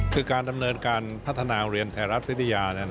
คือการดำเนินการพัฒนาโรงเรียนไทยรัฐวิทยา